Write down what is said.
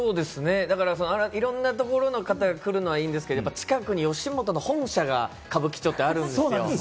いろんなところの方が来るのはいいですけど、近くに吉本本社が歌舞伎町ってあるんですよ。